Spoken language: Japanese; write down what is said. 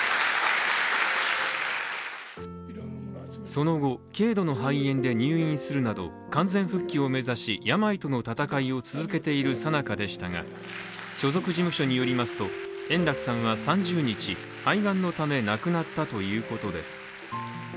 その後、軽度の肺炎で入院するなど完全復帰を目指し病との戦いを続けているさなかでしたが所属事務所によりますと、円楽さんは３０日、肺がんのため亡くなったということです。